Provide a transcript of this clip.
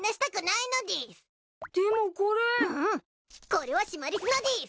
これはシマリスのでぃす。